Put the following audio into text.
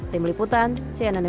tim liputan cnn indonesia